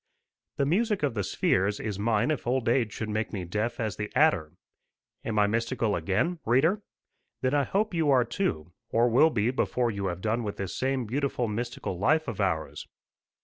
The music of the spheres is mine if old age should make me deaf as the adder. Am I mystical again, reader? Then I hope you are too, or will be before you have done with this same beautiful mystical life of ours.